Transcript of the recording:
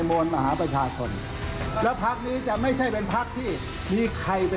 วันนี้เราคุยกับ